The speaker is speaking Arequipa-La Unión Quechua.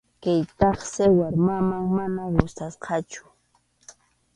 Kaytaqsi warmaman mana gustasqachu.